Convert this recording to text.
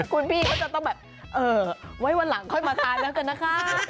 คุณพี่เขาจะต้องแบบไว้วันหลังค่อยมาทานแล้วกันนะคะ